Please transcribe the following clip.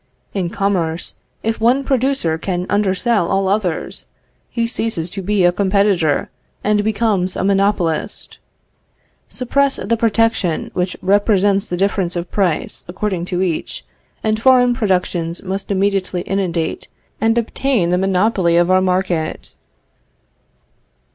In commerce, if one producer can undersell all others, he ceases to be a competitor and becomes a monopolist.... Suppress the protection which represents the difference of price according to each, and foreign productions must immediately inundate and obtain the monopoly of our market." [Footnote 9: M. le Vicomte de Romanet.